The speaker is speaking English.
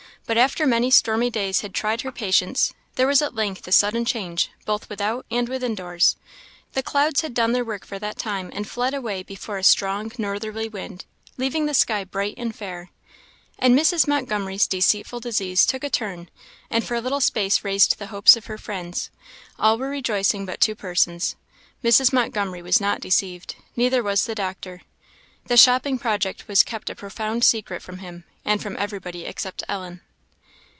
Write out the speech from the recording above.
But after many stormy days had tried her patience, there was at length a sudden change, both without and within doors. The clouds had done their work for that time, and fled away before a strong northerly wind, leaving the sky bright and fair. And Mrs. Montgomery's deceitful disease took a turn, and for a little space raised the hopes of her friends. All were rejoicing but two persons Mrs. Montgomery was not deceived, neither was the doctor. The shopping project was kept a profound secret from him, and from everybody except Ellen.